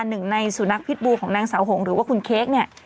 หนึ่งในสุนัขพิษบูรณ์ของนางเสาหงห์หรือว่าคุณเค้ก